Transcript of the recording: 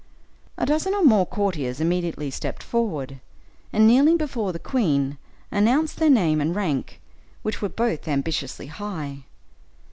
A dozen or more courtiers immediately stepped forward, and kneeling before the queen, announced their name and rank, which were both ambitiously high.